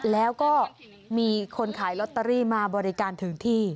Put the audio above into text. แล้วก็มีคนขายลอตเตอรี่มาบริการถึงที่